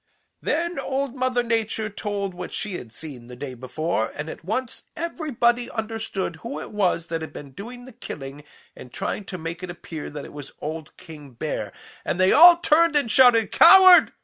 "Then Old Mother Nature told what she had seen the day before, and at once everybody understood who it was that had been doing the killing and trying to make it appear that it was old King Bear, and they all turned and shouted 'Coward!